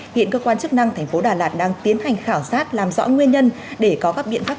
hiện cơ quan chức năng thành phố đà lạt đang tiến hành khảo sát làm rõ nguyên nhân để có các biện pháp